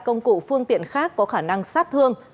công cụ phương tiện khác có khả năng sát thương